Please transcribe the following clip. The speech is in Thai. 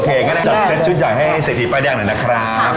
โอเคก็ได้จัดเซตชุดใหญ่ให้สิทธิป้ายแดงหน่อยนะครับ